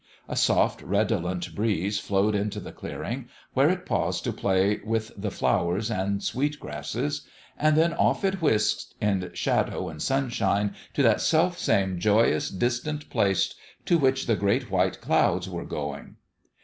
A soft, redolent breeze flowed into the clearing, where it paused to play with 348 LOVE AND LABOUR 349 the flowers and sweet grasses ; and then off it whisked, in shadow and sunshine, to that self same joyous, distant place to which the great white clouds were going.